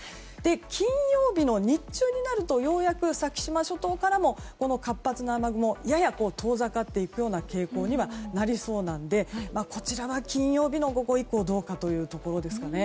金曜日の日中になるとようやく先島諸島からも活発な雨雲がやや遠ざかっていくような傾向にはなりそうなのでこちらは金曜日の午後以降どうかというところですね。